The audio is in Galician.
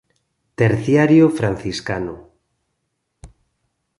Terciario franciscano.